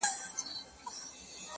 په تدبيرونو کي دې هر وختې تقدير ورک دی,